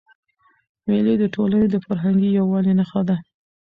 مېلې د ټولني د فرهنګي یووالي نخښه ده.